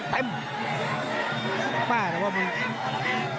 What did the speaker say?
แม่แต่ว่ามัน